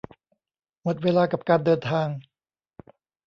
หมดเวลากับการเดินทาง